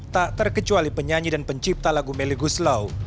tak terkecuali penyanyi dan pencipta lagu meli guslau